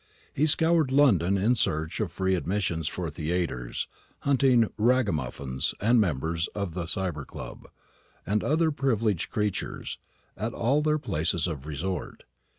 He scoured London in search of free admissions for the theatres, hunting "Ragamuffins" and members of the Cibber Club, and other privileged creatures, at all their places of resort.